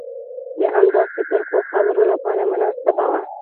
د همداسې ترخو خبرو لپاره مناسبه وه.